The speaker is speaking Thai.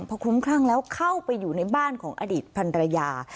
พอคุ้มคลั่งแล้วเข้าไปอยู่ในบ้านของอดีตพันรยา